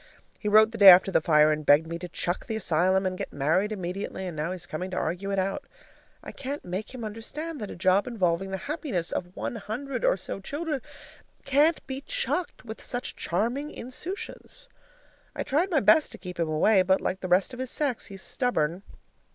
He wrote the day after the fire and begged me to "chuck the asylum" and get married immediately, and now he's coming to argue it out. I can't make him understand that a job involving the happiness of one hundred or so children can't be chucked with such charming insouciance. I tried my best to keep him away, but, like the rest of his sex, he's stubborn.